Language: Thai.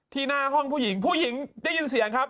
หน้าห้องผู้หญิงผู้หญิงได้ยินเสียงครับ